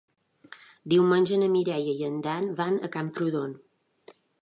Diumenge na Mireia i en Dan van a Camprodon.